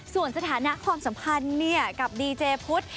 ส่วนสถานะความสัมภาพกับดีเจ้ะพุธ